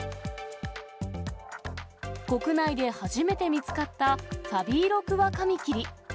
国内で初めて見つかったサビイロクワカミキリ。